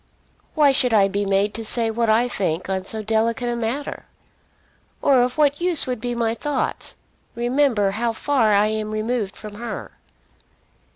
"Why should I be made to say what I think on so delicate a matter? Or of what use would be my thoughts? Remember how far I am removed from her."